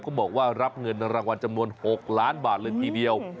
บอกว่ารับเงินรางวัลจำนวน๖ล้านบาทเลยทีเดียว